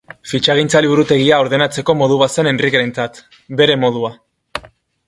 Fitxagintza liburutegia ordenatzeko modu bat zen Enrikerentzat, bere modua.